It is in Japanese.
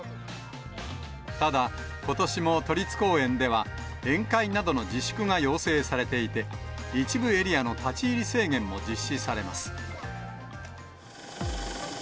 ただ、ことしも都立公園では、宴会などの自粛が要請されていて、一部エリアの立ち入り制限も実施されます。